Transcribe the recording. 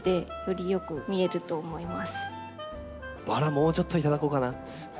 もうちょっと頂こうかな。